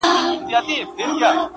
په وینا سو په کټ کټ سو په خندا سو!.